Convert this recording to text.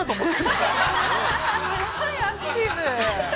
◆すごいアクティブ。